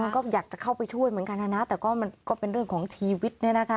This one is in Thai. ก็อยากจะเข้าไปช่วยเหมือนกันนะนะแต่ก็มันก็เป็นเรื่องของชีวิตเนี่ยนะคะ